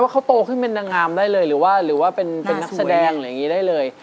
เขาโตขึ้นเป็นนางงามได้เลยหรือว่าเป็นนักแสดงหรืออย่างนี้ได้เลย